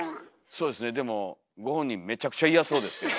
そうですねでもご本人めちゃくちゃ嫌そうですけど。